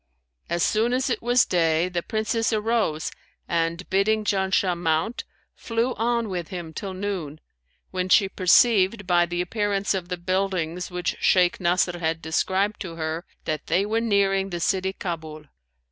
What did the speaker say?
As soon as it was day, the Princess arose and, bidding Janshah mount, flew on with him till noon, when she perceived by the appearance of the buildings which Shaykh Nasr had described to her, that they were nearing the city Kabul.